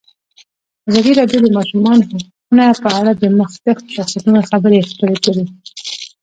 ازادي راډیو د د ماشومانو حقونه په اړه د مخکښو شخصیتونو خبرې خپرې کړي.